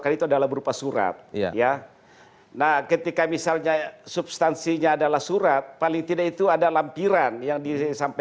keluarga sudah tertentunya